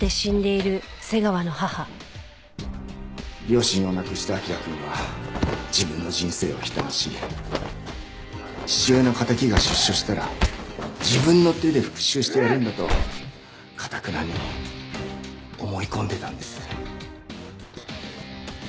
両親を亡くした彰くんは自分の人生を悲嘆し父親の敵が出所したら自分の手で復讐してやるんだとかたくなに思い込んでたんです。